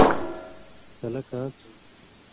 تلہ کاں تُھو؟